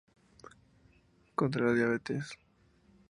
Contra la diabetes.